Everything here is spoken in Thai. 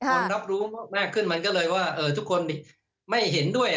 รับรู้มากขึ้นมันก็เลยว่าทุกคนไม่เห็นด้วย